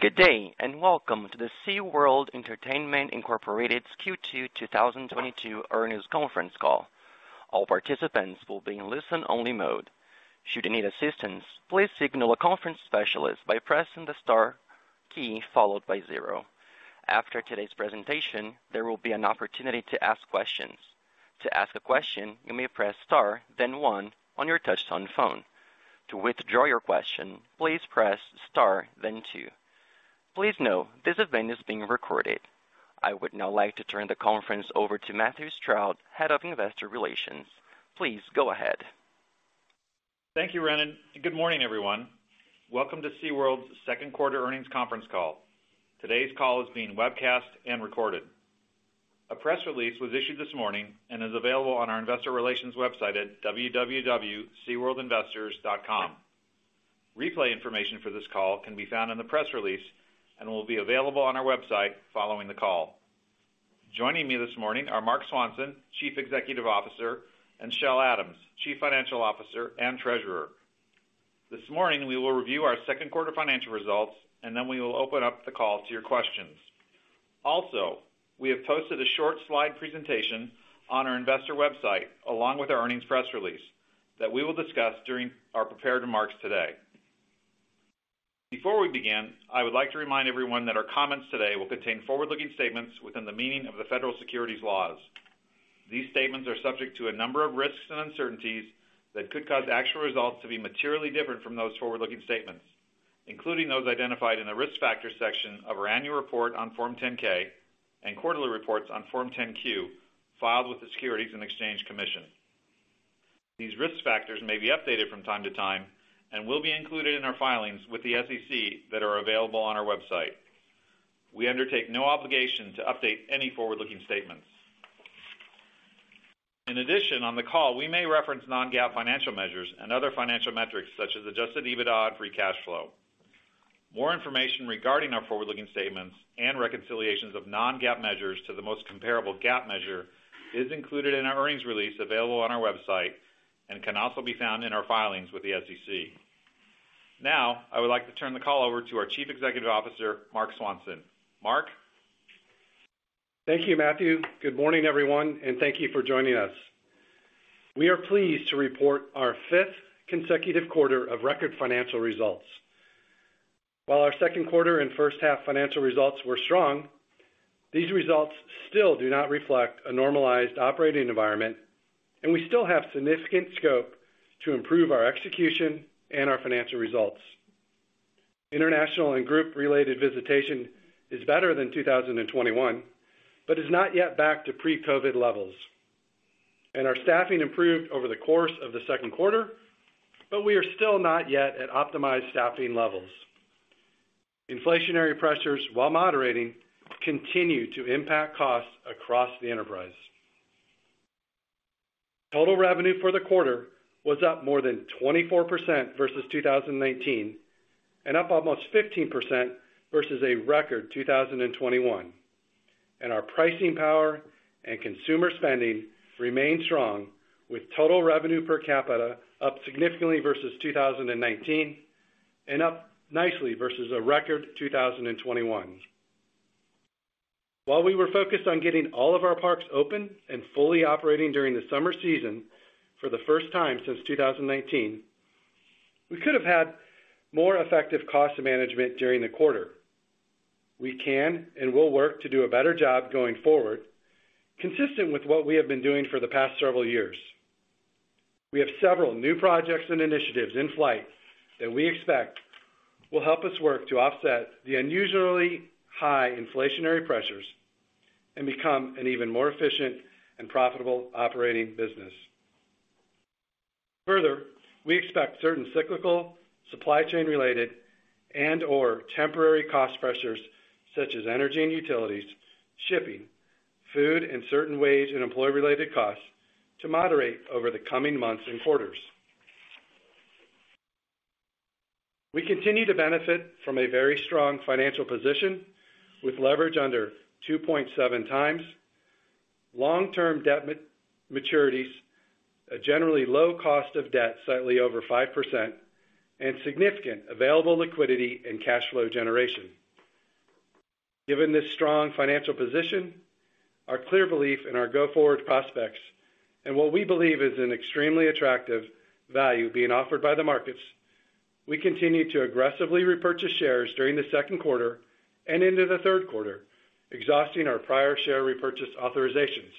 Good day, welcome to the SeaWorld Entertainment, Inc.'s Q2 2022 earnings conference call. All participants will be in listen-only mode. Should you need assistance, please signal a conference specialist by pressing the star key followed by zero. After today's presentation, there will be an opportunity to ask questions. To ask a question, you may press star then one on your touchtone phone. To withdraw your question, please press star then two. Please note this event is being recorded. I would now like to turn the conference over to Matthew Stroud, Vice President of Investor Relations. Please go ahead. Thank you, Renan. Good morning, everyone. Welcome to SeaWorld's second quarter earnings conference call. Today's call is being webcast and recorded. A press release was issued this morning and is available on our investor relations website at www.SeaWorldInvestors.com. Replay information for this call can be found in the press release and will be available on our website following the call. Joining me this morning are Marc Swanson, Chief Executive Officer, and Michelle Adams, Chief Financial Officer and Treasurer. This morning, we will review our second quarter financial results, and then we will open up the call to your questions. Also, we have posted a short slide presentation on our investor website, along with our earnings press release that we will discuss during our prepared remarks today. Before we begin, I would like to remind everyone that our comments today will contain forward-looking statements within the meaning of the federal securities laws. These statements are subject to a number of risks and uncertainties that could cause actual results to be materially different from those forward-looking statements, including those identified in the Risk Factors section of our annual report on Form 10-K and quarterly reports on Form 10-Q filed with the Securities and Exchange Commission. These risk factors may be updated from time to time and will be included in our filings with the SEC that are available on our website. We undertake no obligation to update any forward-looking statements. In addition, on the call, we may reference non-GAAP financial measures and other financial metrics such as adjusted EBITDA and free cash flow. More information regarding our forward-looking statements and reconciliations of non-GAAP measures to the most comparable GAAP measure is included in our earnings release available on our website and can also be found in our filings with the SEC. Now, I would like to turn the call over to our Chief Executive Officer, Marc Swanson. Marc? Thank you, Matthew. Good morning, everyone, and thank you for joining us. We are pleased to report our fifth consecutive quarter of record financial results. While our second quarter and first half financial results were strong, these results still do not reflect a normalized operating environment, and we still have significant scope to improve our execution and our financial results. International and group-related visitation is better than 2021, but is not yet back to pre-COVID levels. Our staffing improved over the course of the second quarter, but we are still not yet at optimized staffing levels. Inflationary pressures, while moderating, continue to impact costs across the enterprise. Total revenue for the quarter was up more than 24% versus 2019, and up almost 15% versus a record 2021, and our pricing power and consumer spending remain strong with total revenue per capita up significantly versus 2019 and up nicely versus a record 2021. While we were focused on getting all of our parks open and fully operating during the summer season for the first time since 2019, we could have had more effective cost management during the quarter. We can and will work to do a better job going forward, consistent with what we have been doing for the past several years. We have several new projects and initiatives in flight that we expect will help us work to offset the unusually high inflationary pressures and become an even more efficient and profitable operating business. Further, we expect certain cyclical supply chain-related and/or temporary cost pressures such as energy and utilities, shipping, food, and certain wage and employee-related costs to moderate over the coming months and quarters. We continue to benefit from a very strong financial position with leverage under 2.7 times long-term debt maturities, a generally low cost of debt, slightly over 5%, and significant available liquidity and cash flow generation. Given this strong financial position, our clear belief in our go-forward prospects and what we believe is an extremely attractive value being offered by the markets, we continued to aggressively repurchase shares during the second quarter and into the third quarter, exhausting our prior share repurchase authorizations.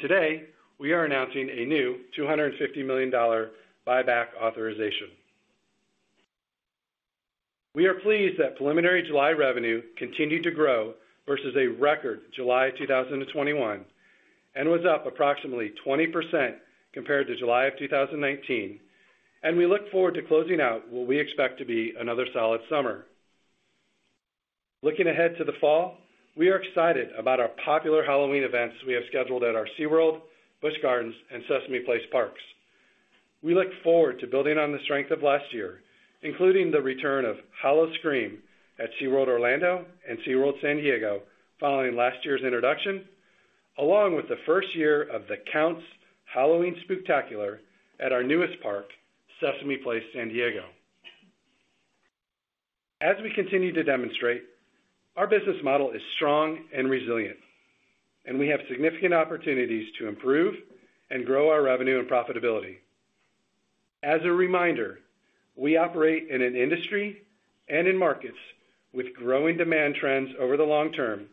Today, we are announcing a new $250 million buyback authorization. We are pleased that preliminary July revenue continued to grow versus a record July 2021 and was up approximately 20% compared to July of 2019, and we look forward to closing out what we expect to be another solid summer. Looking ahead to the fall, we are excited about our popular Halloween events we have scheduled at our SeaWorld, Busch Gardens, and Sesame Place parks. We look forward to building on the strength of last year, including the return of Howl-O-Scream at SeaWorld Orlando and SeaWorld San Diego following last year's introduction, along with the first year of The Count's Halloween Spooktacular at our newest park, Sesame Place, San Diego. As we continue to demonstrate, our business model is strong and resilient, and we have significant opportunities to improve and grow our revenue and profitability. As a reminder, we operate in an industry and in markets with growing demand trends over the long term,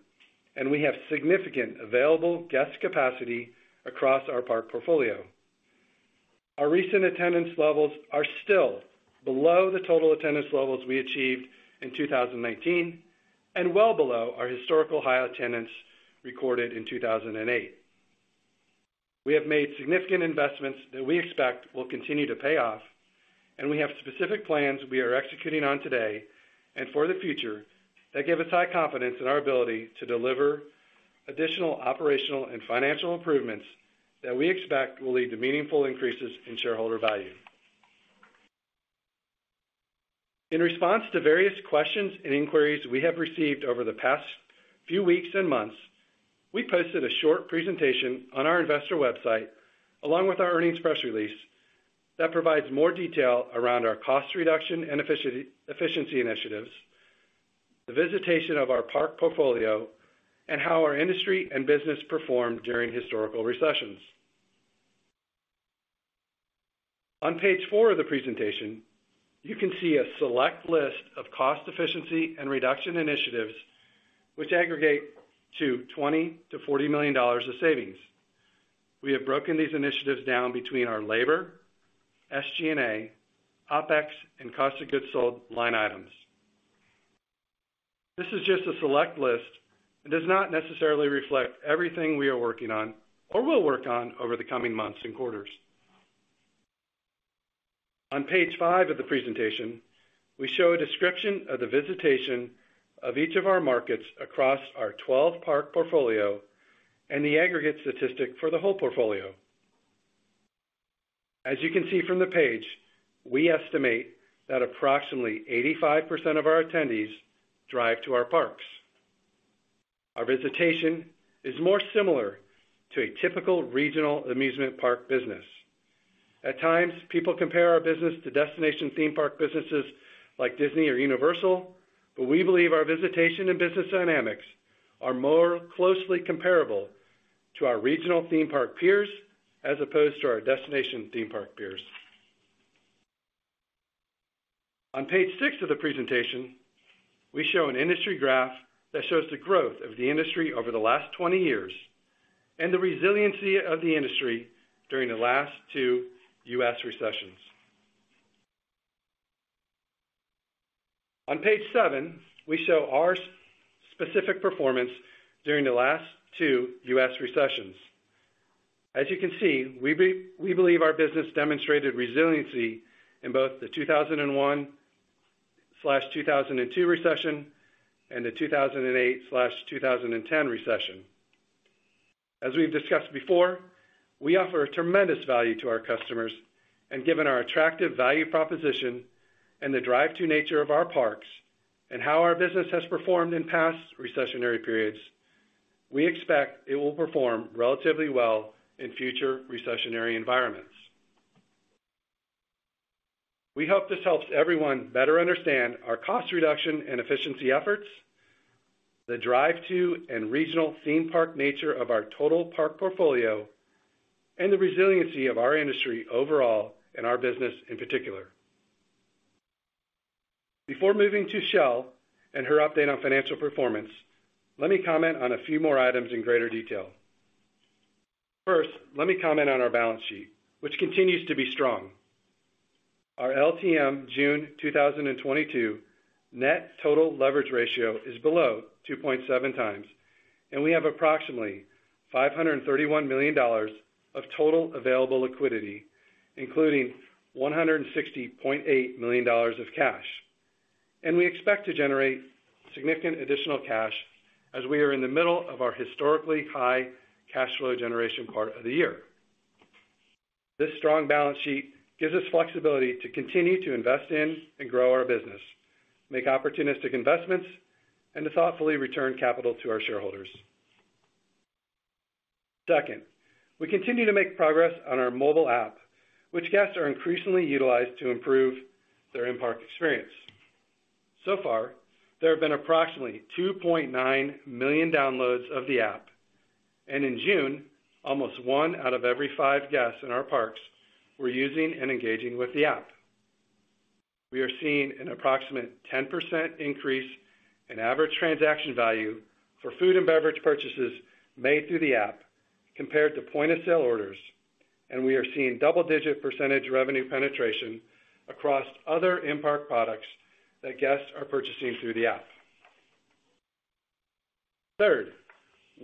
and we have significant available guest capacity across our park portfolio. Our recent attendance levels are still below the total attendance levels we achieved in 2019, and well below our historical high attendance recorded in 2008. We have made significant investments that we expect will continue to pay off, and we have specific plans we are executing on today and for the future that give us high confidence in our ability to deliver additional operational and financial improvements that we expect will lead to meaningful increases in shareholder value. In response to various questions and inquiries we have received over the past few weeks and months, we posted a short presentation on our investor website, along with our earnings press release, that provides more detail around our cost reduction and efficiency initiatives, the visitation of our park portfolio, and how our industry and business performed during historical recessions. On page 4 of the presentation, you can see a select list of cost efficiency and reduction initiatives which aggregate to $20 million-$40 million of savings. We have broken these initiatives down between our labor, SG&A, OpEx, and cost of goods sold line items. This is just a select list and does not necessarily reflect everything we are working on or will work on over the coming months and quarters. On page 5 of the presentation, we show a description of the visitation of each of our markets across our 12-park portfolio and the aggregate statistic for the whole portfolio. As you can see from the page, we estimate that approximately 85% of our attendees drive to our parks. Our visitation is more similar to a typical regional amusement park business. At times, people compare our business to destination theme park businesses like Disney or Universal, but we believe our visitation and business dynamics are more closely comparable to our regional theme park peers as opposed to our destination theme park peers. On page 6 of the presentation, we show an industry graph that shows the growth of the industry over the last 20 years and the resiliency of the industry during the last two U.S. recessions. On page 7, we show our specific performance during the last two U.S. recessions. As you can see, we believe our business demonstrated resiliency in both the 2001-2002 recession and the 2008-2010 recession. As we've discussed before, we offer tremendous value to our customers and given our attractive value proposition and the draw to nature of our parks and how our business has performed in past recessionary periods, we expect it will perform relatively well in future recessionary environments. We hope this helps everyone better understand our cost reduction and efficiency efforts, the draw to and regional theme park nature of our total park portfolio, and the resiliency of our industry overall and our business in particular. Before moving to Shel and her update on financial performance, let me comment on a few more items in greater detail. First, let me comment on our balance sheet, which continues to be strong. Our LTM June 2022 net total leverage ratio is below 2.7 times, and we have approximately $531 million of total available liquidity, including $160.8 million of cash. We expect to generate significant additional cash as we are in the middle of our historically high cash flow generation part of the year. This strong balance sheet gives us flexibility to continue to invest in and grow our business, make opportunistic investments, and to thoughtfully return capital to our shareholders. Second, we continue to make progress on our mobile app, which guests are increasingly utilized to improve their in-park experience. So far, there have been approximately 2.9 million downloads of the app, and in June, almost one out of every five guests in our parks were using and engaging with the app. We are seeing an approximate 10% increase in average transaction value for food and beverage purchases made through the app compared to point-of-sale orders, and we are seeing double-digit percentage revenue penetration across other in-park products that guests are purchasing through the app. Third,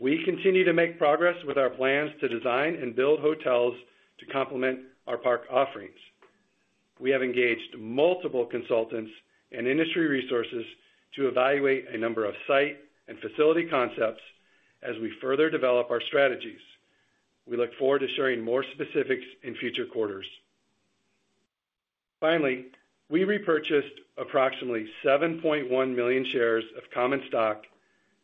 we continue to make progress with our plans to design and build hotels to complement our park offerings. We have engaged multiple consultants and industry resources to evaluate a number of site and facility concepts as we further develop our strategies. We look forward to sharing more specifics in future quarters. Finally, we repurchased approximately 7.1 million shares of common stock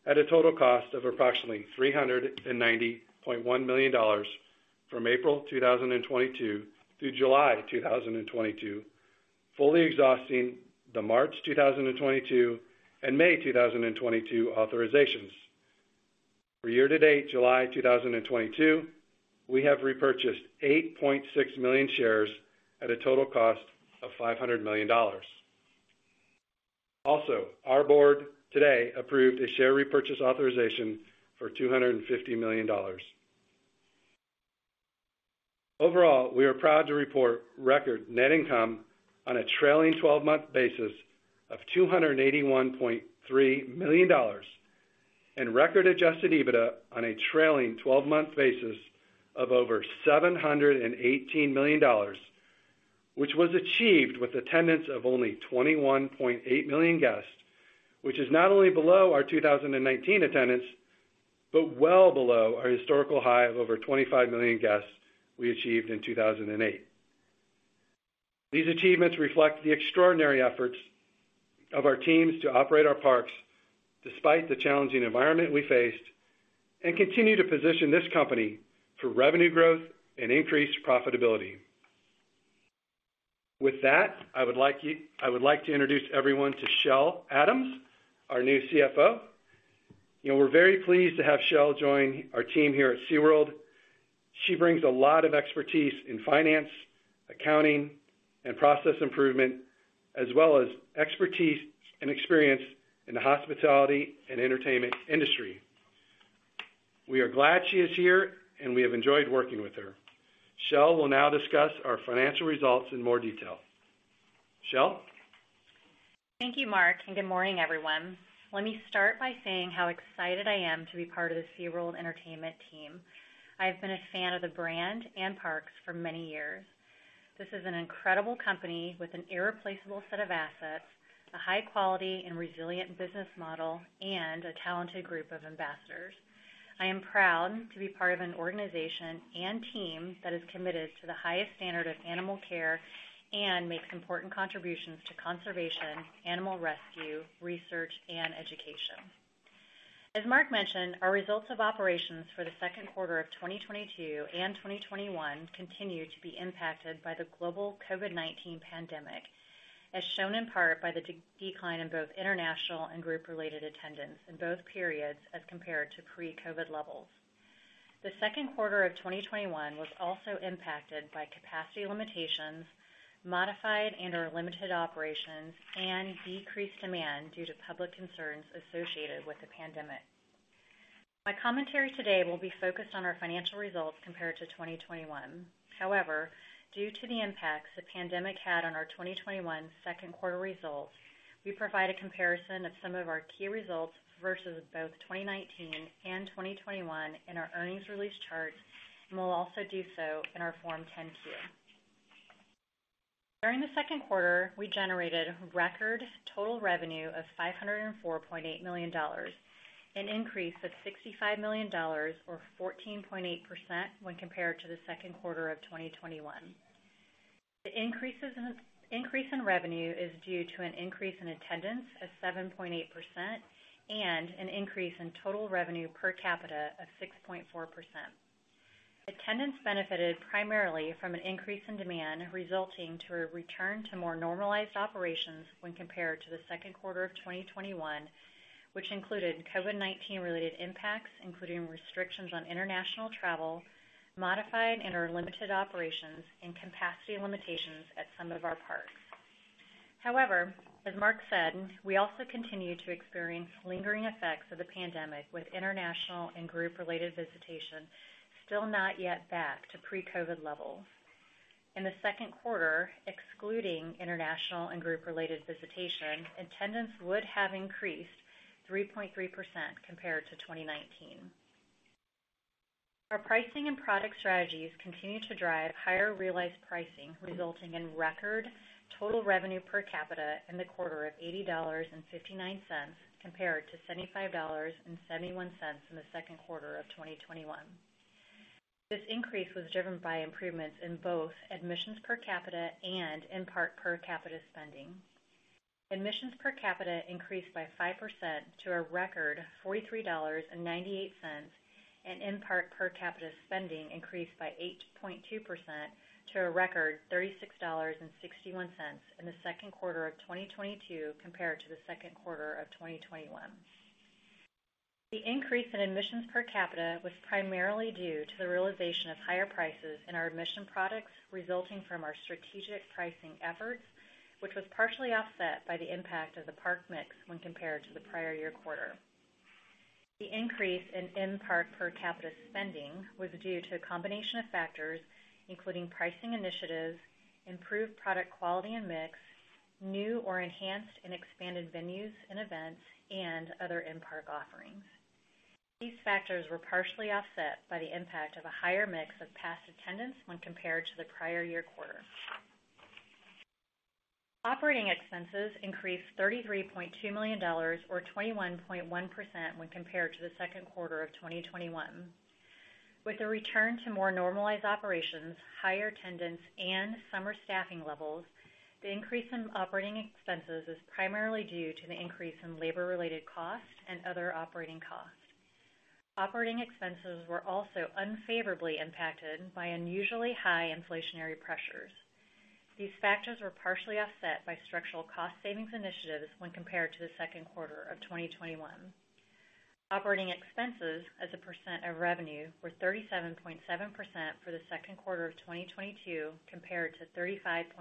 at a total cost of approximately $390.1 million from April 2022 through July 2022, fully exhausting the March 2022 and May 2022 authorizations. For year-to-date July 2022, we have repurchased 8.6 million shares at a total cost of $500 million. Also, our board today approved a share repurchase authorization for $250 million. Overall, we are proud to report record net income on a trailing-12-month basis of $281.3 million and record adjusted EBITDA on a trailing-12-month basis of over $718 million, which was achieved with attendance of only 21.8 million guests, which is not only below our 2019 attendance, but well below our historical high of over 25 million guests we achieved in 2008. These achievements reflect the extraordinary efforts of our teams to operate our parks despite the challenging environment we faced, and continue to position this company for revenue growth and increased profitability. With that, I would like to introduce everyone to Michelle Adams, our new CFO. You know, we're very pleased to have Michelle join our team here at SeaWorld. She brings a lot of expertise in finance, accounting, and process improvement, as well as expertise and experience in the hospitality and entertainment industry. We are glad she is here, and we have enjoyed working with her. Shel will now discuss our financial results in more detail. Shel? Thank you, Marc, and good morning, everyone. Let me start by saying how excited I am to be part of the SeaWorld Entertainment team. I've been a fan of the brand and parks for many years. This is an incredible company with an irreplaceable set of assets, a high quality and resilient business model, and a talented group of ambassadors. I am proud to be part of an organization and team that is committed to the highest standard of animal care and makes important contributions to conservation, animal rescue, research, and education. As Marc mentioned, our results of operations for the second quarter of 2022 and 2021 continue to be impacted by the global COVID-19 pandemic, as shown in part by the decline in both international and group-related attendance in both periods as compared to pre-COVID levels. The second quarter of 2021 was also impacted by capacity limitations, modified and/or limited operations, and decreased demand due to public concerns associated with the pandemic. My commentary today will be focused on our financial results compared to 2021. However, due to the impacts the pandemic had on our 2021 second quarter results, we provide a comparison of some of our key results versus both 2019 and 2021 in our earnings release charts, and we'll also do so in our Form 10-Q. During the second quarter, we generated record total revenue of $504.8 million, an increase of $65 million or 14.8% when compared to the second quarter of 2021. The increase in revenue is due to an increase in attendance of 7.8% and an increase in total revenue per capita of 6.4%. Attendance benefited primarily from an increase in demand, resulting to a return to more normalized operations when compared to the second quarter of 2021, which included COVID-19-related impacts, including restrictions on international travel, modified and/or limited operations, and capacity limitations at some of our parks. However, as Marc said, we also continue to experience lingering effects of the pandemic, with international and group-related visitation still not yet back to pre-COVID levels. In the second quarter, excluding international and group-related visitation, attendance would have increased 3.3% compared to 2019. Our pricing and product strategies continue to drive higher realized pricing, resulting in record total revenue per capita in the quarter of $80.59 compared to $75.71 in the second quarter of 2021. This increase was driven by improvements in both admissions per capita and in-park per capita spending. Admissions per capita increased by 5% to a record $43.98, and in-park per capita spending increased by 8.2% to a record $36.61 in the second quarter of 2022 compared to the second quarter of 2021. The increase in admissions per capita was primarily due to the realization of higher prices in our admission products resulting from our strategic pricing efforts, which was partially offset by the impact of the park mix when compared to the prior year quarter. The increase in in-park per capita spending was due to a combination of factors, including pricing initiatives, improved product quality and mix, new or enhanced and expanded venues and events, and other in-park offerings. These factors were partially offset by the impact of a higher mix of paid attendance when compared to the prior year quarter. Operating expenses increased $33.2 million or 21.1% when compared to the second quarter of 2021. With a return to more normalized operations, higher attendance and summer staffing levels, the increase in operating expenses is primarily due to the increase in labor-related costs and other operating costs. Operating expenses were also unfavorably impacted by unusually high inflationary pressures. These factors were partially offset by structural cost savings initiatives when compared to the second quarter of 2021. Operating expenses as a percent of revenue were 37.7% for the second quarter of 2022, compared to 35.8%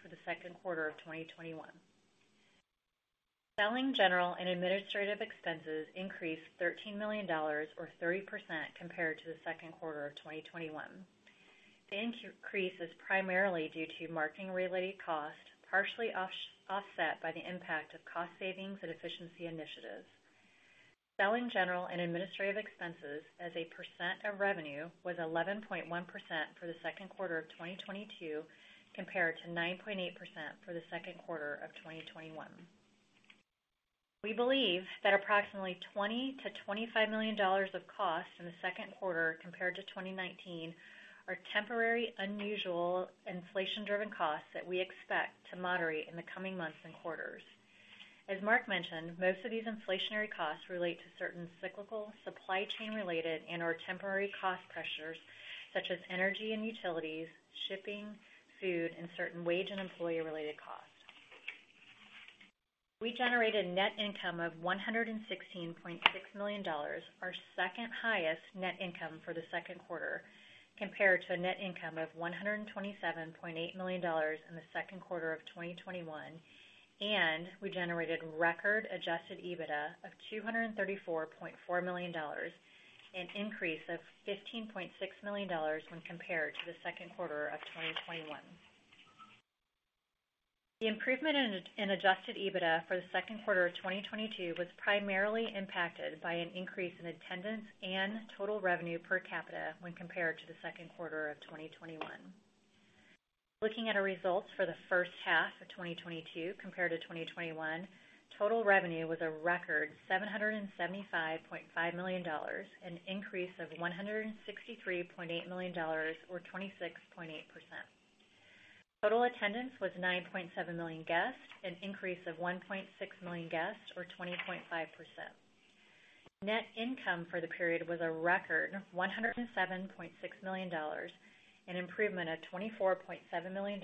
for the second quarter of 2021. Selling, general and administrative expenses increased $13 million or 30% compared to the second quarter of 2021. The increase is primarily due to marketing-related costs, partially offset by the impact of cost savings and efficiency initiatives. Selling general and administrative expenses as a percent of revenue was 11.1% for the second quarter of 2022, compared to 9.8% for the second quarter of 2021. We believe that approximately $20-$25 million of costs in the second quarter compared to 2019 are temporary, unusual, inflation-driven costs that we expect to moderate in the coming months and quarters. As Marc mentioned, most of these inflationary costs relate to certain cyclical supply chain related and/or temporary cost pressures, such as energy and utilities, shipping, food, and certain wage and employee-related costs. We generated net income of $116.6 million, our second highest net income for the second quarter, compared to a net income of $127.8 million in the second quarter of 2021. We generated record adjusted EBITDA of $234.4 million, an increase of $15.6 million when compared to the second quarter of 2021. The improvement in adjusted EBITDA for the second quarter of 2022 was primarily impacted by an increase in attendance and total revenue per capita when compared to the second quarter of 2021. Looking at our results for the first half of 2022 compared to 2021, total revenue was a record $775.5 million, an increase of $163.8 million or 26.8%. Total attendance was 9.7 million guests, an increase of 1.6 million guests or 20.5%. Net income for the period was a record $107.6 million, an improvement of $24.7 million,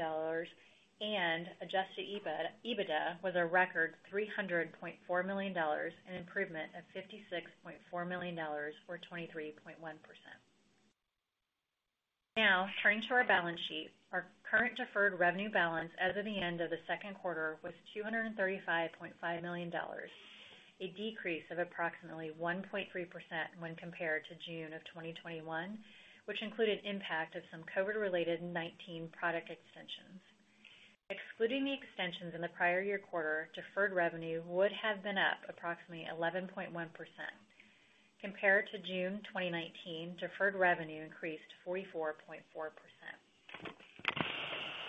and adjusted EBITDA was a record $300.4 million, an improvement of $56.4 million or 23.1%. Now turning to our balance sheet. Our current deferred revenue balance as of the end of the second quarter was $235.5 million, a decrease of approximately 1.3% when compared to June 2021, which included impact of some COVID-19 product extensions. Excluding the extensions in the prior year quarter, deferred revenue would have been up approximately 11.1%. Compared to June 2019, deferred revenue increased 44.4%.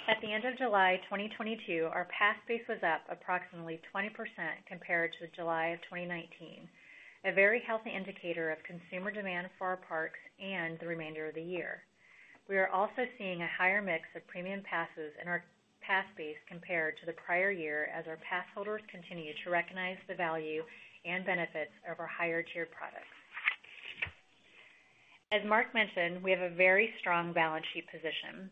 At the end of July 2022, our pass base was up approximately 20% compared to July 2019, a very healthy indicator of consumer demand for our parks and the remainder of the year. We are also seeing a higher mix of premium passes in our pass base compared to the prior year as our pass holders continue to recognize the value and benefits of our higher tier products. As Marc mentioned, we have a very strong balance sheet position.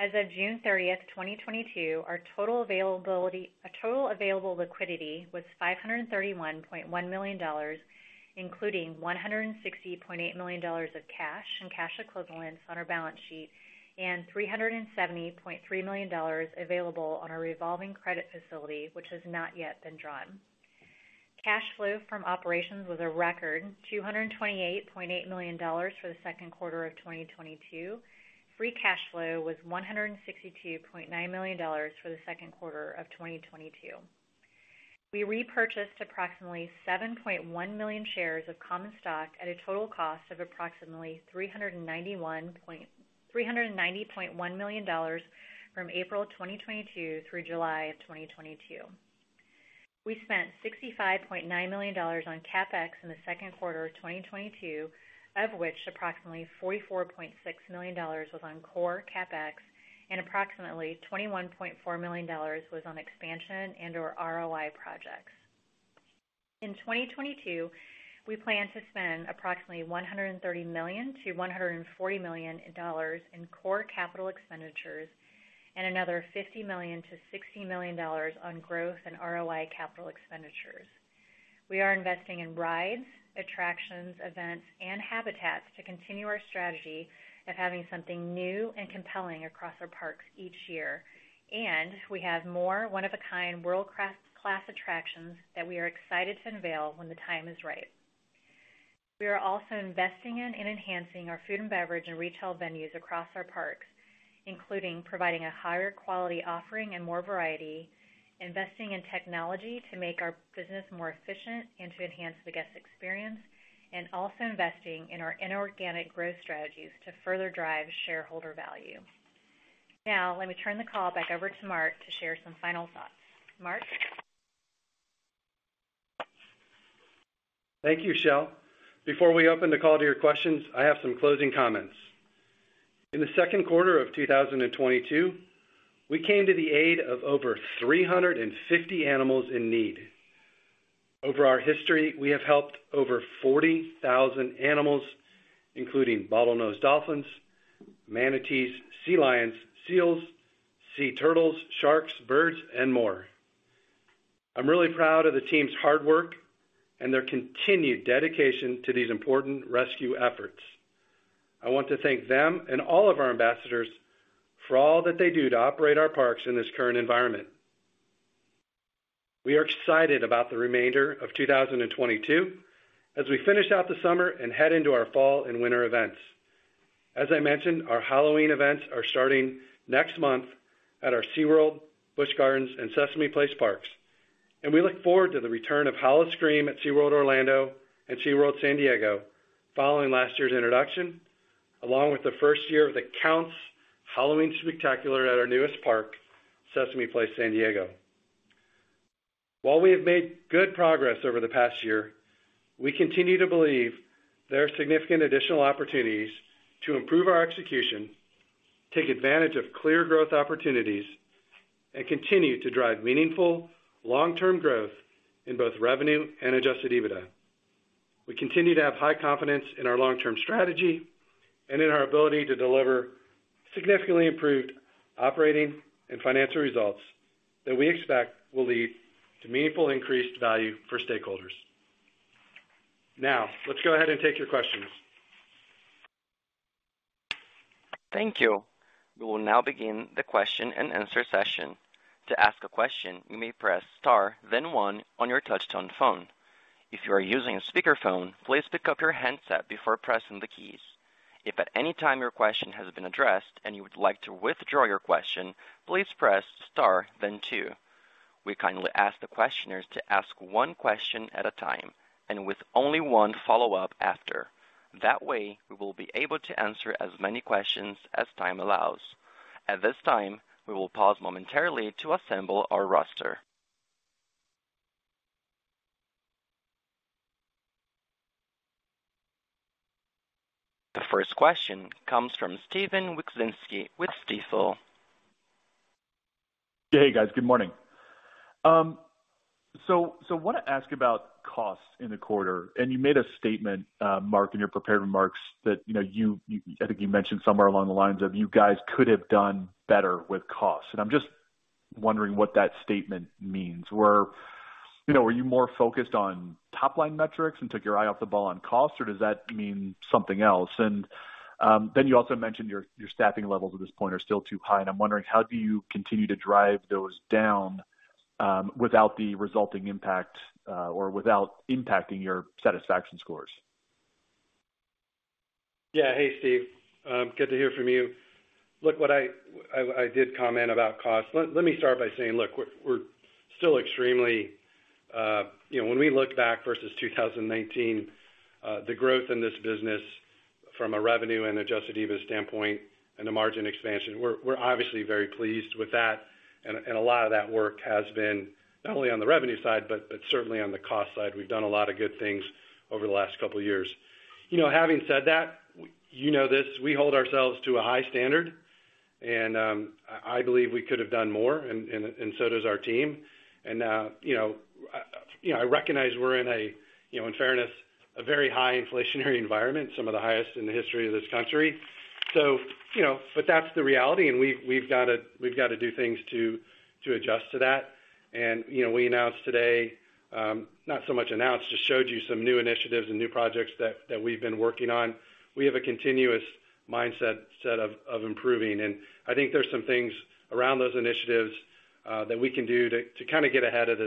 As of June 30th, 2022, our total available liquidity was $531.1 million, including $160.8 million of cash and cash equivalents on our balance sheet and $370.3 million available on our revolving credit facility, which has not yet been drawn. Cash flow from operations was a record $228.8 million for the second quarter of 2022. Free cash flow was $162.9 million for the second quarter of 2022. We repurchased approximately 7.1 million shares of common stock at a total cost of approximately $391--$390.1 million from April 2022 through July 2022. We spent $65.9 million on CapEx in the second quarter of 2022, of which approximately $44.6 million was on core CapEx and approximately $21.4 million was on expansion and/or ROI projects. In 2022, we plan to spend approximately $130 million-$140 million in dollars in core capital expenditures and another $50 million-$60 million on growth and ROI capital expenditures. We are investing in rides, attractions, events and habitats to continue our strategy of having something new and compelling across our parks each year. We have more one-of-a-kind world-class attractions that we are excited to unveil when the time is right. We are also investing in and enhancing our food and beverage and retail venues across our parks, including providing a higher quality offering and more variety, investing in technology to make our business more efficient and to enhance the guest experience, and also investing in our inorganic growth strategies to further drive shareholder value. Now, let me turn the call back over to Marc to share some final thoughts. Marc? Thank you, Shel. Before we open the call to your questions, I have some closing comments. In the second quarter of 2022, we came to the aid of over 350 animals in need. Over our history, we have helped over 40,000 animals, including bottlenose dolphins, manatees, sea lions, seals, sea turtles, sharks, birds, and more. I'm really proud of the team's hard work and their continued dedication to these important rescue efforts. I want to thank them and all of our ambassadors for all that they do to operate our parks in this current environment. We are excited about the remainder of 2022 as we finish out the summer and head into our fall and winter events. As I mentioned, our Halloween events are starting next month at our SeaWorld, Busch Gardens, and Sesame Place parks, and we look forward to the return of Howl-O-Scream at SeaWorld Orlando and SeaWorld San Diego following last year's introduction, along with the first year of The Count's Halloween Spooktacular at our newest park, Sesame Place San Diego. While we have made good progress over the past year, we continue to believe there are significant additional opportunities to improve our execution, take advantage of clear growth opportunities, and continue to drive meaningful long-term growth in both revenue and adjusted EBITDA. We continue to have high confidence in our long-term strategy and in our ability to deliver significantly improved operating and financial results that we expect will lead to meaningful increased value for stakeholders. Now, let's go ahead and take your questions. Thank you. We will now begin the question-and-answer session. To ask a question, you may press Star-Then-One on your touchtone phone. If you are using a speakerphone, please pick up your handset before pressing the keys. If at any time your question has been addressed and you would like to withdraw your question, please press Star then Two. We kindly ask the questioners to ask one question at a time and with only one follow-up after. That way, we will be able to answer as many questions as time allows. At this time, we will pause momentarily to assemble our roster. The first question comes from Steve Wieczynski with Stifel. Hey, guys. Good morning. I wanna ask about costs in the quarter, and you made a statement, Marc, in your prepared remarks that I think you mentioned somewhere along the lines of you guys could have done better with costs. I'm just wondering what that statement means. Were you more focused on top-line metrics and took your eye off the ball on cost, or does that mean something else? Then you also mentioned your staffing levels at this point are still too high. I'm wondering, how do you continue to drive those down, without the resulting impact, or without impacting your satisfaction scores? Yeah. Hey, Steve. Good to hear from you. Look, what I did comment about costs. Let me start by saying, look, we're still extremely, you know, when we look back versus 2019, the growth in this business from a revenue and adjusted EBIT standpoint and the margin expansion, we're obviously very pleased with that. A lot of that work has been not only on the revenue side, but certainly on the cost side. We've done a lot of good things over the last couple of years. You know, having said that, you know this, we hold ourselves to a high standard, and I believe we could have done more and so does our team. You know, I recognize we're in a, you know, in fairness, a very high inflationary environment, some of the highest in the history of this country. You know, but that's the reality, and we've gotta do things to adjust to that. You know, we announced today, not so much announced, just showed you some new initiatives and new projects that we've been working on. We have a continuous mindset set of improving. I think there's some things around those initiatives that we can do to kinda get ahead of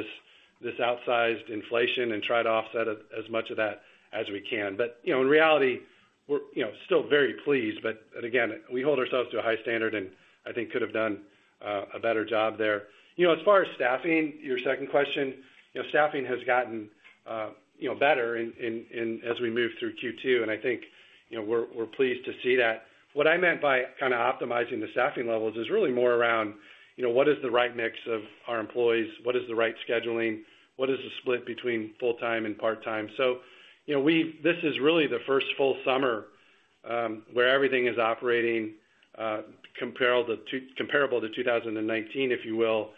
this outsized inflation and try to offset as much of that as we can. You know, in reality, we're, you know, still very pleased. Again, we hold ourselves to a high standard and I think could have done a better job there. You know, as far as staffing, your second question, you know, staffing has gotten better as we move through Q2, and I think, you know, we're pleased to see that. What I meant by kinda optimizing the staffing levels is really more around, you know, what is the right mix of our employees? What is the right scheduling? What is the split between full-time and part-time? You know, we've this is really the first full summer where everything is operating comparable to 2019, if you will.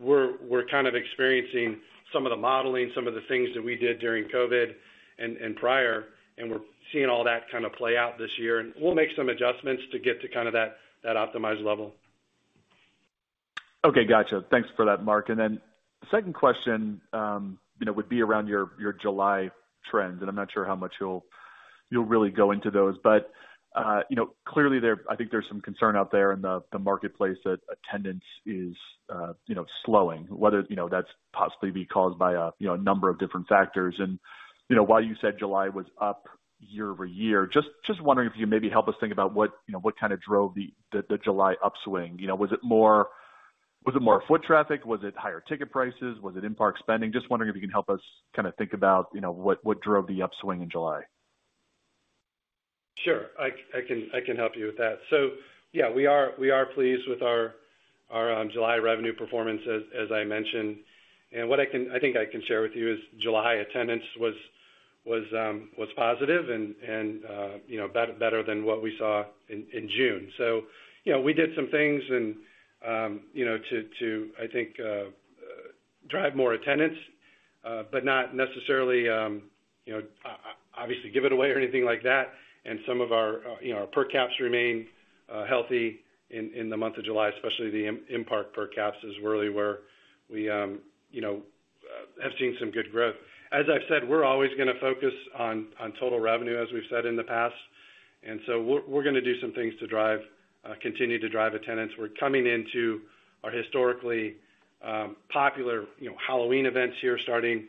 We're kind of experiencing some of the modeling, some of the things that we did during COVID and prior, and we're seeing all that kind of play out this year. We'll make some adjustments to get to kind of that optimized level. Okay. Gotcha. Thanks for that, Marc. Then the second question, you know, would be around your July trends. I'm not sure how much you'll really go into those. You know, clearly, I think there's some concern out there in the marketplace that attendance is, you know, slowing, whether, you know, that's possibly being caused by a, you know, a number of different factors. You know, while you said July was up year-over-year, just wondering if you maybe help us think about what, you know, what kind of drove the July upswing. You know, was it more foot traffic? Was it higher ticket prices? Was it in-park spending? Just wondering if you can help us kinda think about, you know, what drove the upswing in July. Sure. I can help you with that. Yeah, we are pleased with our July revenue performance, as I mentioned. I think I can share with you is July attendance was positive and better than what we saw in June. You know, we did some things to drive more attendance, but not necessarily obviously give it away or anything like that. Some of our per caps remain healthy in the month of July, especially the park per caps is really where we have seen some good growth. As I've said, we're always gonna focus on total revenue, as we've said in the past. We're gonna do some things to drive continue to drive attendance. We're coming into our historically popular, you know, Halloween events here starting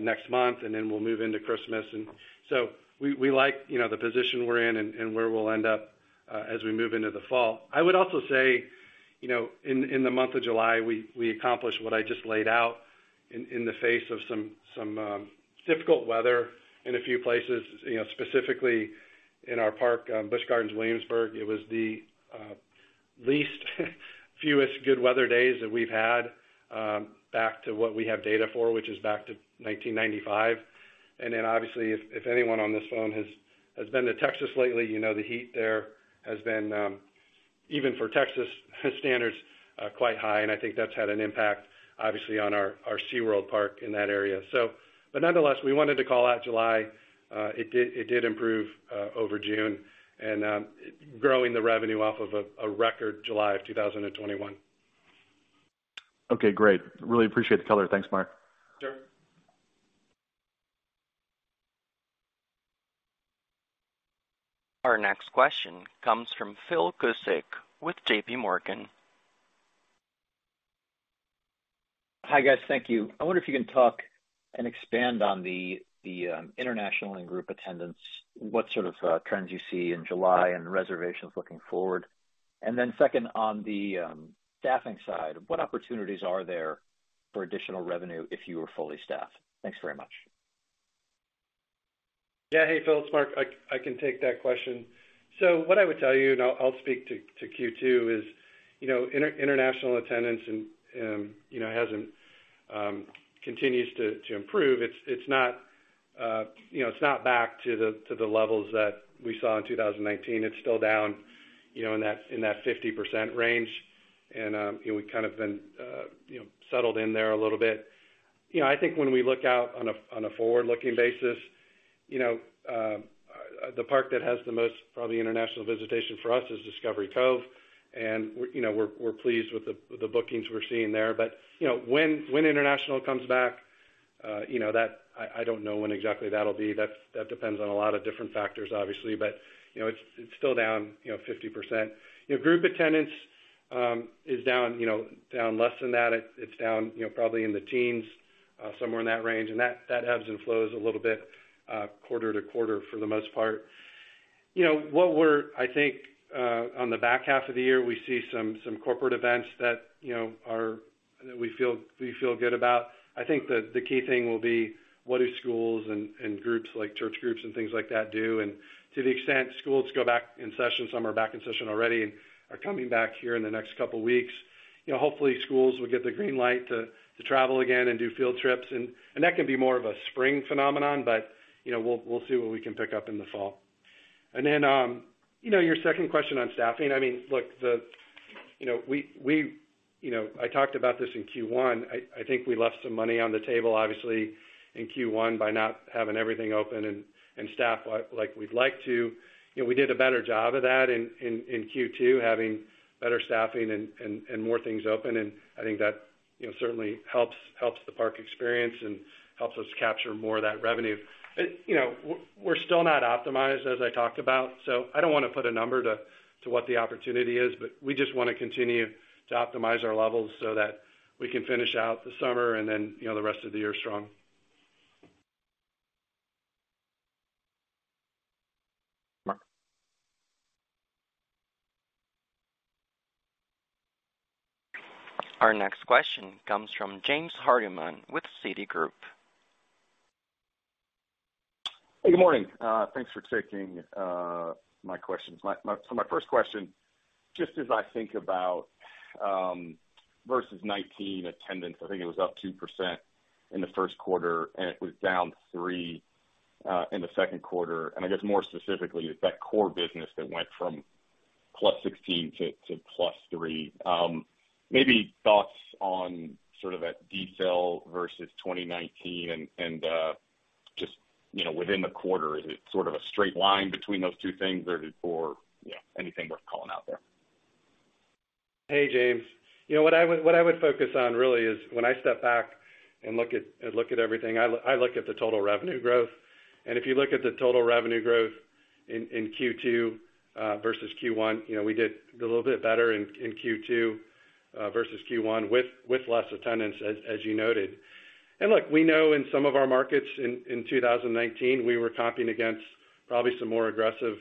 next month, and then we'll move into Christmas. We like, you know, the position we're in and where we'll end up as we move into the fall. I would also say, you know, in the month of July, we accomplished what I just laid out in the face of some difficult weather in a few places, you know, specifically in our park, Busch Gardens Williamsburg. It was the fewest good weather days that we've had back to what we have data for, which is back to 1995. Obviously, if anyone on this phone has been to Texas lately, you know the heat there has been even for Texas standards quite high, and I think that's had an impact, obviously, on our SeaWorld park in that area. Nonetheless, we wanted to call out July. It did improve over June and growing the revenue off of a record July of 2021. Okay, great. Really appreciate the color. Thanks, Marc. Sure. Our next question comes from Philip Cusick with J.P. Morgan. Hi, guys. Thank you. I wonder if you can talk and expand on the international and group attendance, what sort of trends you see in July and reservations looking forward. Second, on the staffing side, what opportunities are there for additional revenue if you were fully staffed? Thanks very much. Yeah. Hey, Phil, it's Marc. I can take that question. What I would tell you, and I'll speak to Q2, is, you know, international attendance, you know, continues to improve. It's not back to the levels that we saw in 2019. It's still down, you know, in that 50% range. We've kind of been settled in there a little bit. You know, I think when we look out on a forward-looking basis, you know, the park that has the most probably international visitation for us is Discovery Cove. We're pleased with the bookings we're seeing there. You know, when international comes back, you know, that I don't know when exactly that'll be. That depends on a lot of different factors, obviously. You know, it's still down, you know, 50%. You know, group attendance is down, you know, down less than that. It's down, you know, probably in the teens, somewhere in that range. That ebbs and flows a little bit, quarter to quarter for the most part. You know, I think on the back half of the year, we see some corporate events that you know that we feel good about. I think the key thing will be what do schools and groups like church groups and things like that do. To the extent schools go back in session, some are back in session already and are coming back here in the next couple weeks. You know, hopefully schools will get the green light to travel again and do field trips and that can be more of a spring phenomenon. You know, we'll see what we can pick up in the fall. You know, your second question on staffing. I mean, look, the you know, we you know, I talked about this in Q1. I think we left some money on the table, obviously, in Q1 by not having everything open and staffed like we'd like to. You know, we did a better job of that in Q2, having better staffing and more things open. I think that, you know, certainly helps the park experience and helps us capture more of that revenue. It, you know, we're still not optimized, as I talked about, so I don't wanna put a number to what the opportunity is, but we just wanna continue to optimize our levels so that we can finish out the summer and then, you know, the rest of the year strong. Marc. Our next question comes from James Hardiman with Citigroup. Hey, good morning. Thanks for taking my questions. So my first question, just as I think about versus 2019 attendance, I think it was up 2% in the first quarter, and it was down 3% in the second quarter. I guess more specifically, it's that core business that went from +16% to +3%. Maybe thoughts on sort of that detail versus 2019 and just, you know, within the quarter, is it sort of a straight line between those two things or you know, anything worth calling out there? Hey, James. What I would focus on really is when I step back and look at everything, I look at the total revenue growth. If you look at the total revenue growth in Q2 versus Q1, we did a little bit better in Q2 versus Q1 with less attendance, as you noted. Look, we know in some of our markets in 2019, we were competing against probably some more aggressive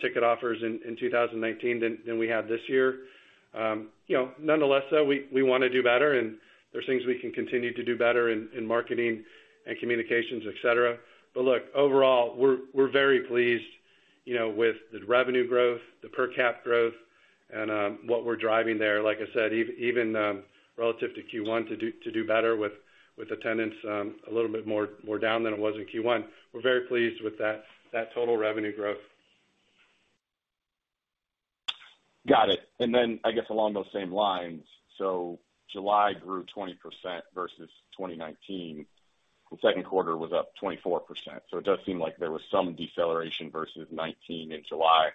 ticket offers in 2019 than we have this year. Nonetheless, though, we wanna do better, and there's things we can continue to do better in marketing and communications, et cetera. Look, overall, we're very pleased. You know, with the revenue growth, the per cap growth and what we're driving there, like I said, even relative to Q1 to do better with attendance, a little bit more down than it was in Q1. We're very pleased with that total revenue growth. Got it. Then I guess along those same lines, July grew 20% versus 2019. The second quarter was up 24%. It does seem like there was some deceleration versus 2019 in July.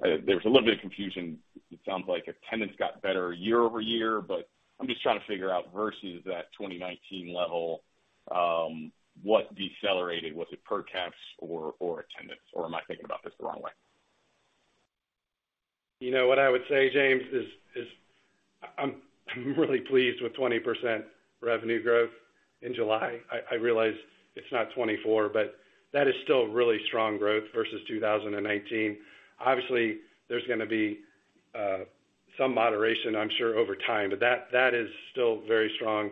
There was a little bit of confusion. It sounds like attendance got better year-over-year, but I'm just trying to figure out versus that 2019 level, what decelerated, was it per caps or attendance? Or am I thinking about this the wrong way? You know, what I would say, James, is I'm really pleased with 20% revenue growth in July. I realize it's not 24%, but that is still really strong growth versus 2019. Obviously, there's gonna be some moderation, I'm sure, over time, but that is still very strong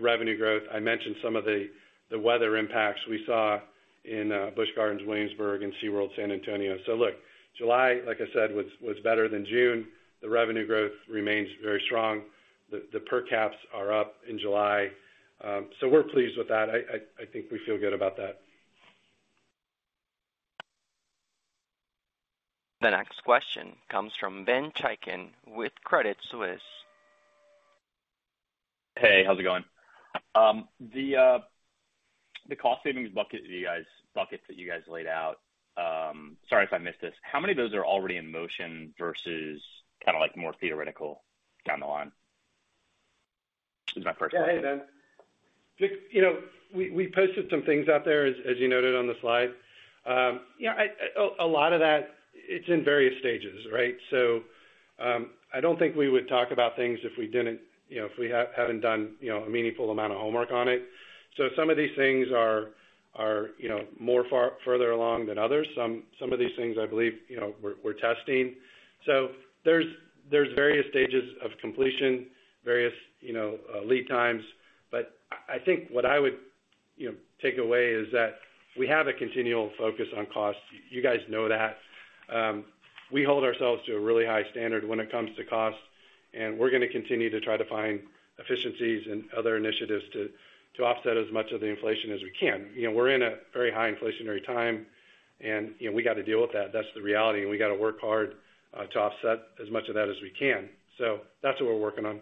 revenue growth. I mentioned some of the weather impacts we saw in Busch Gardens, Williamsburg and SeaWorld San Antonio. Look, July, like I said, was better than June. The revenue growth remains very strong. The per capita are up in July. We're pleased with that. I think we feel good about that. The next question comes from Ben Chaiken with Credit Suisse. Hey, how's it going? The cost savings buckets that you guys laid out, sorry if I missed this, how many of those are already in motion versus kinda like more theoretical down the line? This is my first one. Yeah. Hey, Ben. You know, we posted some things out there as you noted on the slide. You know, a lot of that, it's in various stages, right? I don't think we would talk about things if we didn't, you know, if we haven't done, you know, a meaningful amount of homework on it. Some of these things are, you know, further along than others. Some of these things I believe, you know, we're testing. There's various stages of completion, various, you know, lead times. I think what I would, you know, take away is that we have a continual focus on costs. You guys know that. We hold ourselves to a really high standard when it comes to costs, and we're gonna continue to try to find efficiencies and other initiatives to offset as much of the inflation as we can. You know, we're in a very high inflationary time and, you know, we got to deal with that. That's the reality, and we got to work hard to offset as much of that as we can. That's what we're working on.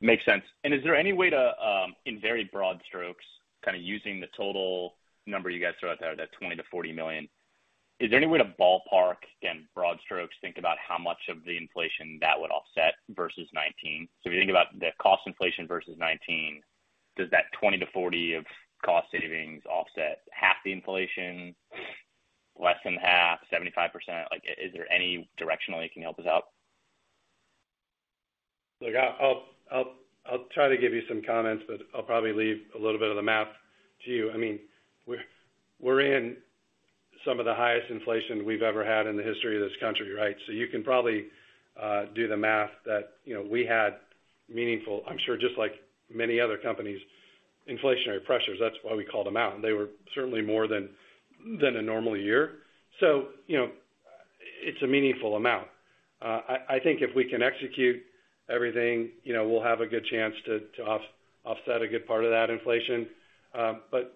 Makes sense. Is there any way to, in very broad strokes, kind of using the total number you guys throw out there, that $20-$40 million, is there any way to ballpark in broad strokes, think about how much of the inflation that would offset versus 2019? If you think about the cost inflation versus 2019, does that $20-$40 million of cost savings offset half the inflation, less than half, 75%? Like, is there any directionally can you help us out? Look, I'll try to give you some comments, but I'll probably leave a little bit of the math to you. I mean, we're in some of the highest inflation we've ever had in the history of this country, right? You can probably do the math that, you know, we had meaningful, I'm sure just like many other companies, inflationary pressures. That's why we called them out, and they were certainly more than a normal year. You know, it's a meaningful amount. I think if we can execute everything, you know, we'll have a good chance to offset a good part of that inflation.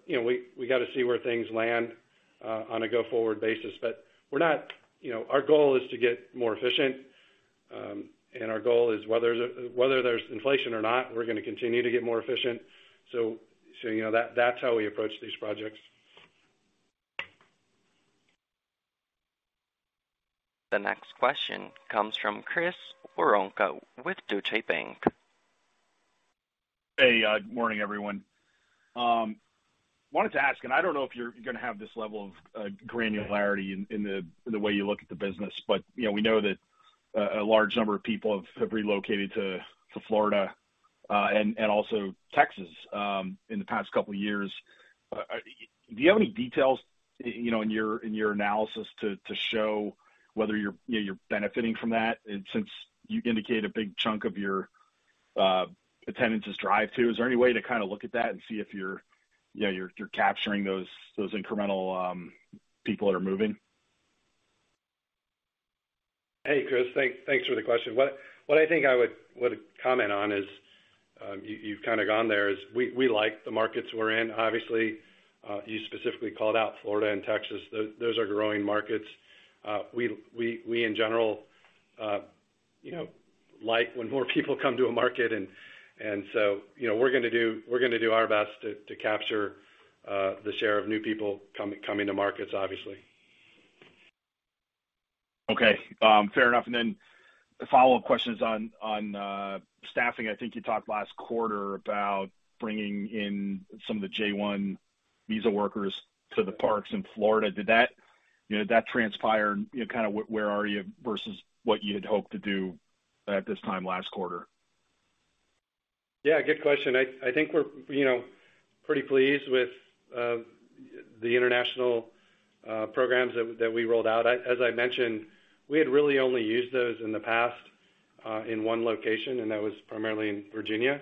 You know, we got to see where things land on a go-forward basis. We're not, you know, our goal is to get more efficient, and our goal is whether there's inflation or not, we're gonna continue to get more efficient. So, you know, that's how we approach these projects. The next question comes from Chris Woronka with Deutsche Bank. Hey, morning, everyone. Wanted to ask, and I don't know if you're gonna have this level of granularity in the way you look at the business, but, you know, we know that a large number of people have relocated to Florida and also Texas in the past couple of years. Do you have any details, you know, in your analysis to show whether you're benefiting from that? Since you indicate a big chunk of your attendance is drive-to, is there any way to kind of look at that and see if you're capturing those incremental people that are moving? Hey, Chris, thanks for the question. What I think I would comment on is, you've kind of gone there is we like the markets we're in. Obviously, you specifically called out Florida and Texas. Those are growing markets. We in general, you know, like when more people come to a market and so, you know, we're gonna do our best to capture the share of new people coming to markets, obviously. Okay. Fair enough. A follow-up question is on staffing. I think you talked last quarter about bringing in some of the J-1 visa workers to the parks in Florida. Did that transpire and, you know, kind of where are you versus what you had hoped to do at this time last quarter? Yeah, good question. I think we're, you know, pretty pleased with the international programs that we rolled out. As I mentioned, we had really only used those in the past in one location, and that was primarily in Virginia.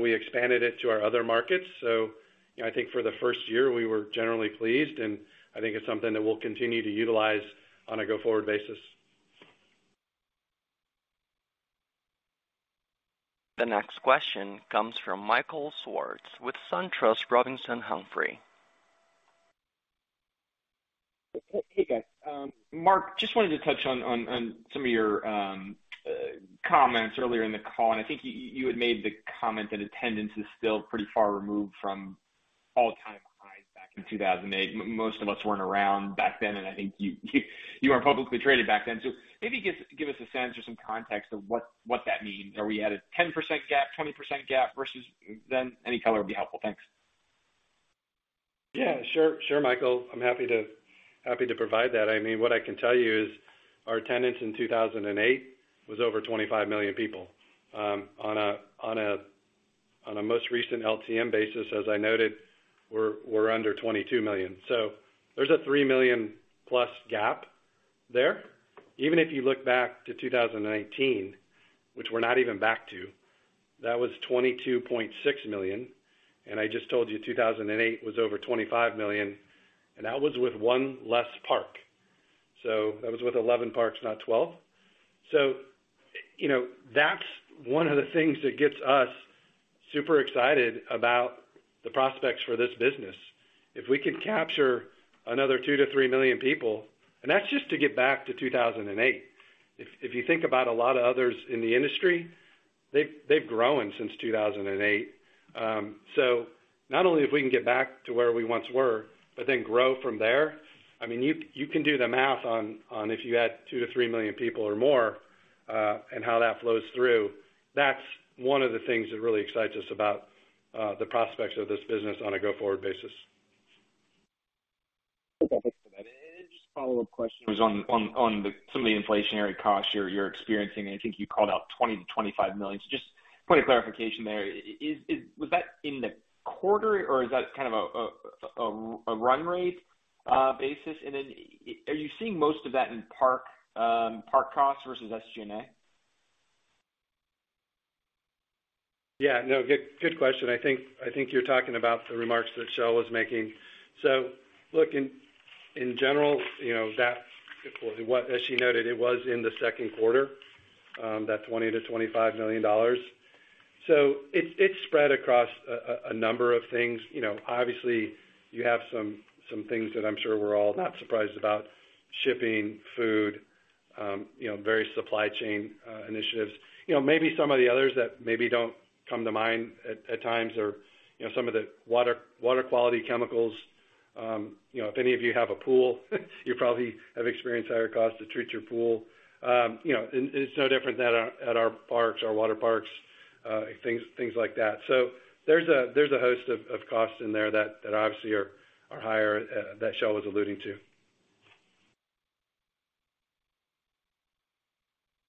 We expanded it to our other markets. You know, I think for the first year, we were generally pleased, and I think it's something that we'll continue to utilize on a go-forward basis. The next question comes from Michael Swartz with Truist Securities. Hey, guys. Marc, just wanted to touch on some of your comments earlier in the call, and I think you had made the comment that attendance is still pretty far removed from all-time highs back in 2008. Most of us weren't around back then, and I think you weren't publicly traded back then. Maybe give us a sense or some context of what that means. Are we at a 10% gap, 20% gap versus then? Any color would be helpful. Thanks. Yeah. Sure, sure, Michael. I'm happy to provide that. I mean, what I can tell you is our attendance in 2008 was over 25 million people. On a most recent LTM basis, as I noted, we're under 22 million. There's a 3 million+ gap there. Even if you look back to 2019, which we're not even back to, that was 22.6 million, and I just told you 2008 was over 25 million, and that was with one less park. That was with 11 parks, not 12. You know, that's one of the things that gets us super excited about the prospects for this business. If we can capture another 2-3 million people. That's just to get back to 2008. If you think about a lot of others in the industry, they've grown since 2008. Not only if we can get back to where we once were, but then grow from there, I mean, you can do the math on if you add 2-3 million people or more, and how that flows through. That's one of the things that really excites us about the prospects of this business on a go-forward basis. Okay. Thanks for that. Just a follow-up question was on some of the inflationary costs you're experiencing. I think you called out $20 million-$25 million. So just point of clarification there. Was that in the quarter, or is that kind of a run rate basis? Are you seeing most of that in park costs versus SG&A? Yeah, no, good question. I think you're talking about the remarks that Shel was making. Look, in general, you know, that was what. As she noted, it was in the second quarter, that $20 million-$25 million. It spread across a number of things. You know, obviously, you have some things that I'm sure we're all not surprised about. Shipping, food, you know, various supply chain initiatives. You know, maybe some of the others that maybe don't come to mind at times are, you know, some of the water quality chemicals. You know, if any of you have a pool, you probably have experienced higher costs to treat your pool. You know, and it's no different than at our parks, our water parks, things like that. There's a host of costs in there that obviously are higher that Shel was alluding to.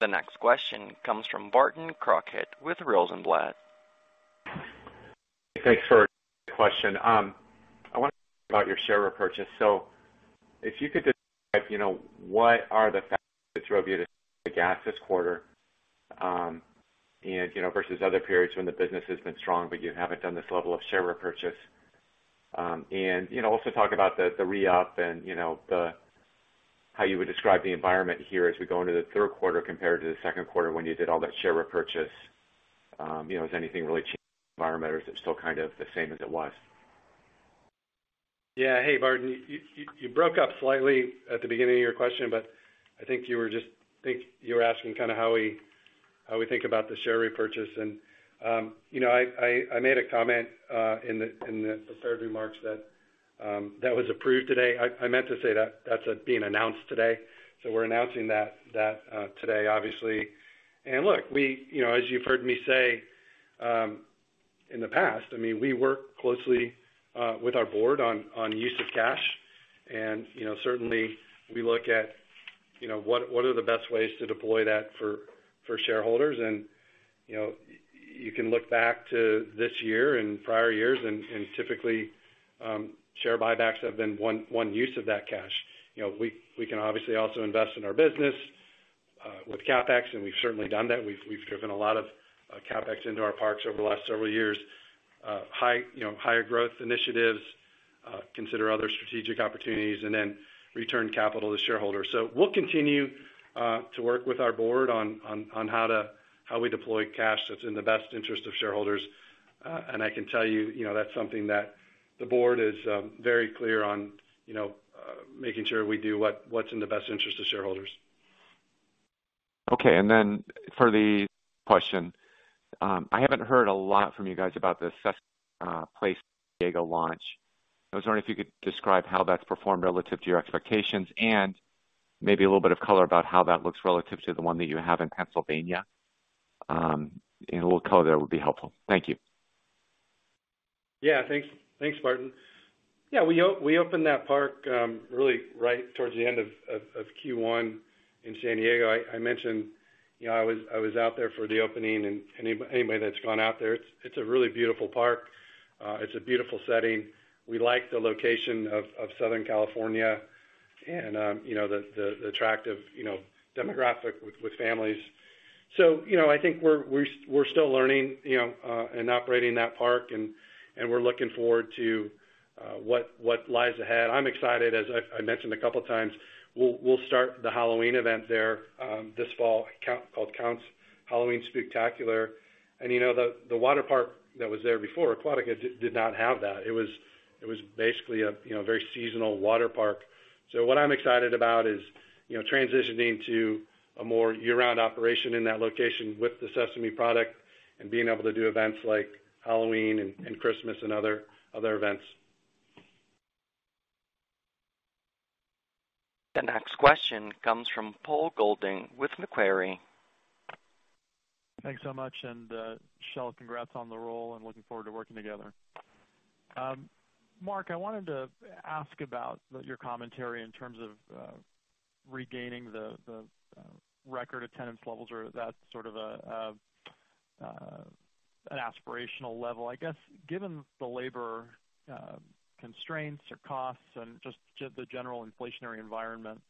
The next question comes from Barton Crockett with Rosenblatt. Thanks for the question. I want to ask about your share repurchase. If you could describe, you know, what are the factors that drove you to the gap this quarter, and, you know, versus other periods when the business has been strong, but you haven't done this level of share repurchase. Also talk about the reup and, you know, how you would describe the environment here as we go into the third quarter compared to the second quarter when you did all that share repurchase. You know, has anything really changed in the environment or is it still kind of the same as it was? Yeah. Hey, Barton. You broke up slightly at the beginning of your question, but I think you were just asking kind of how we think about the share repurchase. You know, I made a comment in the prepared remarks that was approved today. I meant to say that that's being announced today. We're announcing that today, obviously. Look, you know, as you've heard me say in the past, I mean, we work closely with our board on use of cash. You know, certainly we look at you know what are the best ways to deploy that for shareholders. You know, you can look back to this year and prior years, and typically, share buybacks have been one use of that cash. You know, we can obviously also invest in our business with CapEx, and we've certainly done that. We've driven a lot of CapEx into our parks over the last several years. Higher growth initiatives, consider other strategic opportunities, and then return capital to shareholders. We'll continue to work with our board on how we deploy cash that's in the best interest of shareholders. I can tell you know, that's something that the board is very clear on, you know, making sure we do what's in the best interest of shareholders. Okay. Then for the question, I haven't heard a lot from you guys about the Sesame Place San Diego launch. I was wondering if you could describe how that's performed relative to your expectations and maybe a little bit of color about how that looks relative to the one that you have in Pennsylvania. Any little color there would be helpful. Thank you. Yeah. Thanks, thanks, Barton. Yeah, we opened that park really right towards the end of Q1 in San Diego. I mentioned, you know, I was out there for the opening and anybody that's gone out there, it's a really beautiful park. It's a beautiful setting. We like the location of Southern California. You know, the attractive, you know, demographic with families. I think we're still learning, you know, and operating that park and we're looking forward to what lies ahead. I'm excited, as I mentioned a couple times, we'll start the Halloween event there this fall, called The Count's Halloween Spooktacular. You know, the waterpark that was there before, Aquatica, did not have that. It was basically a, you know, very seasonal waterpark. What I'm excited about is, you know, transitioning to a more year-round operation in that location with the Sesame product and being able to do events like Halloween and Christmas and other events. The next question comes from Paul Golding with Macquarie. Thanks so much. Shel, congrats on the role. I'm looking forward to working together. Marc, I wanted to ask about your commentary in terms of regaining the record attendance levels or that sort of an aspirational level. I guess, given the labor constraints or costs and just the general inflationary environment,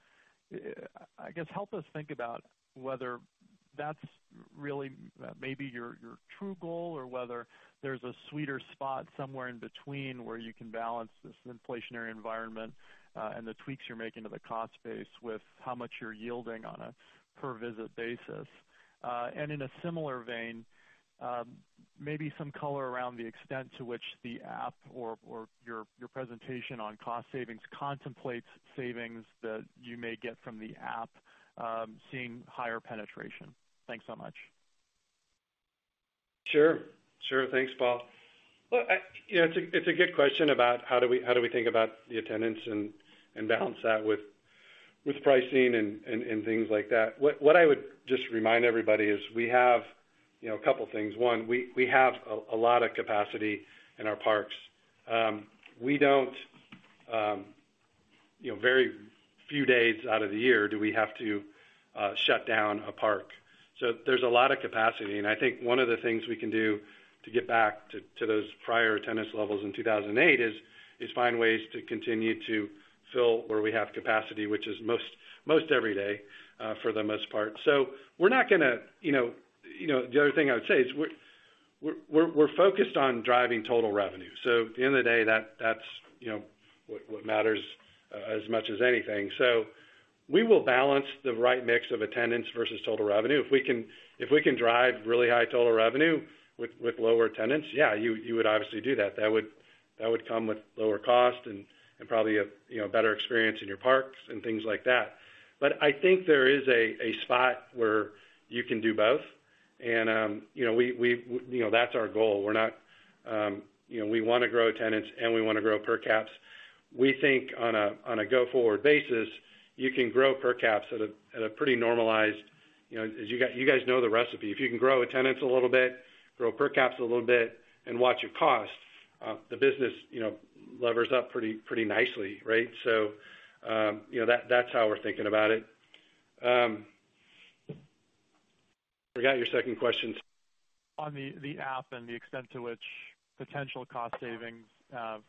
I guess, help us think about whether that's really maybe your true goal or whether there's a sweeter spot somewhere in between where you can balance this inflationary environment and the tweaks you're making to the cost base with how much you're yielding on a per-visit basis. In a similar vein, maybe some color around the extent to which the app or your presentation on cost savings contemplates savings that you may get from the app seeing higher penetration. Thanks so much. Sure. Thanks, Paul. Well, you know, it's a good question about how we think about the attendance and balance that with pricing and things like that. What I would just remind everybody is we have, you know, a couple things. One, we have a lot of capacity in our parks. We don't, you know, very few days out of the year do we have to shut down a park. So there's a lot of capacity and I think one of the things we can do to get back to those prior attendance levels in 2008 is find ways to continue to fill where we have capacity, which is most every day, for the most part. We're not gonna, you know, the other thing I would say is we're focused on driving total revenue. At the end of the day, that's, you know, what matters as much as anything. We will balance the right mix of attendance versus total revenue. If we can drive really high total revenue with lower attendance, yeah, you would obviously do that. That would come with lower cost and probably a, you know, better experience in your parks and things like that. I think there is a spot where you can do both. You know, we you know, that's our goal. We're not, you know, we wanna grow attendance and we wanna grow per capita. We think on a go-forward basis, you can grow per capita at a pretty normalized, you know, as you guys know the recipe. If you can grow attendance a little bit, grow per capita a little bit and watch your costs, the business, you know, levers up pretty nicely, right? You know, that's how we're thinking about it. Forgot your second question. On the app and the extent to which potential cost savings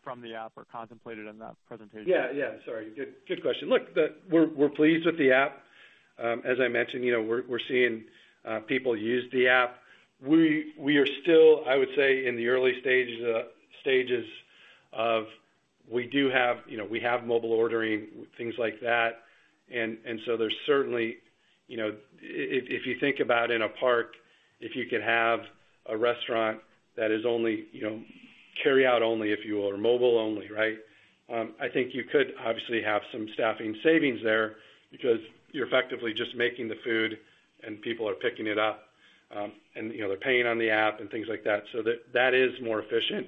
from the app are contemplated in that presentation. Yeah. Sorry. Good question. Look, we're pleased with the app. As I mentioned, you know, we're seeing people use the app. We are still, I would say, in the early stages of. We do have, you know, we have mobile ordering, things like that. So there's certainly, you know, if you think about in a park, if you could have a restaurant that is only, you know, carry out only, if you will, or mobile only, right? I think you could obviously have some staffing savings there because you're effectively just making the food and people are picking it up, and, you know, they're paying on the app and things like that. That is more efficient,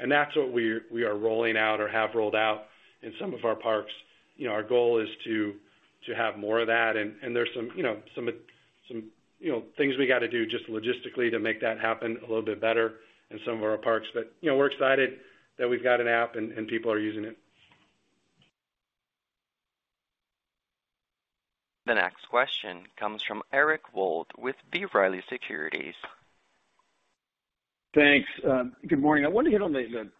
and that's what we are rolling out or have rolled out in some of our parks. You know, our goal is to have more of that. There's some, you know, things we gotta do just logistically to make that happen a little bit better in some of our parks. You know, we're excited that we've got an app and people are using it. The next question comes from Eric Wold with B. Riley Securities. Thanks. Good morning. I want to hit on the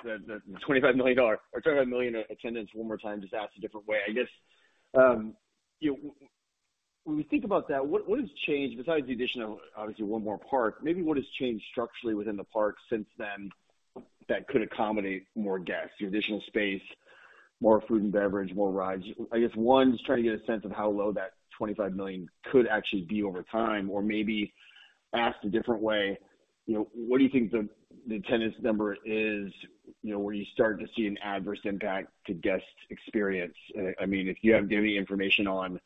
25 million attendance one more time, just asked a different way. I guess, you know, when we think about that, what has changed besides the addition of obviously one more park? Maybe what has changed structurally within the park since then that could accommodate more guests, the additional space, more food and beverage, more rides? I guess, just trying to get a sense of how low that 25 million could actually be over time, or maybe asked a different way, you know, what do you think the attendance number is, you know, where you start to see an adverse impact to guests' experience? I mean, if you have any information on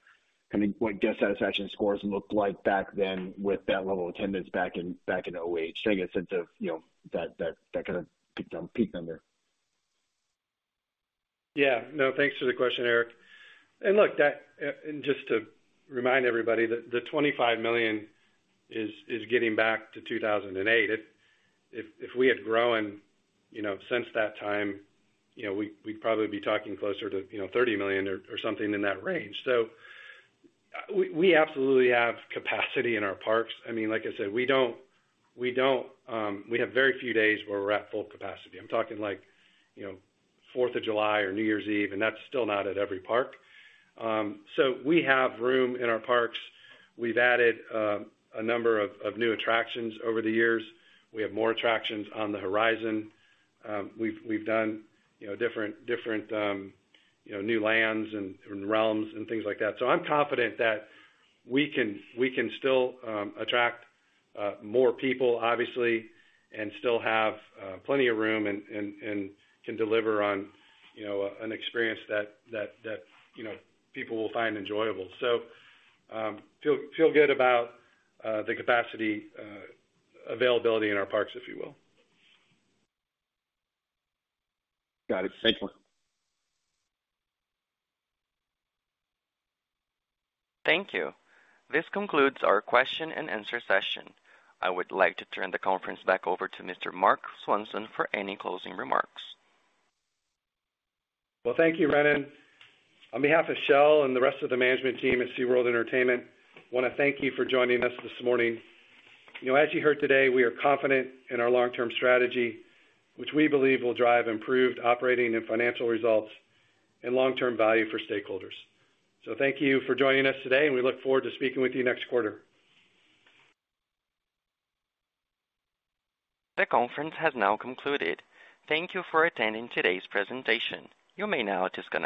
kind of what guest satisfaction scores looked like back then with that level of attendance back in, so I get a sense of, you know, that kind of peak number. Yeah. No, thanks for the question, Eric. Look, that and just to remind everybody that the 25 million is getting back to 2008. If we had grown, you know, since that time, you know, we'd probably be talking closer to, you know, 30 million or something in that range. We absolutely have capacity in our parks. I mean, like I said, we have very few days where we're at full capacity. I'm talking like, you know, Fourth of July or New Year's Eve, and that's still not at every park. We have room in our parks. We've added a number of new attractions over the years. We have more attractions on the horizon. We've done, you know, different new lands and realms and things like that. I'm confident that we can still attract more people obviously, and still have plenty of room and can deliver on, you know, an experience that people will find enjoyable. Feel good about the capacity availability in our parks, if you will. Got it. Thanks, Marc. Thank you. This concludes our question and answer session. I would like to turn the conference back over to Mr. Marc Swanson for any closing remarks. Well, thank you, Renan. On behalf of Shel and the rest of the management team at SeaWorld Entertainment, I wanna thank you for joining us this morning. You know, as you heard today, we are confident in our long-term strategy, which we believe will drive improved operating and financial results and long-term value for stakeholders. Thank you for joining us today, and we look forward to speaking with you next quarter. The conference has now concluded. Thank you for attending today's presentation. You may now disconnect.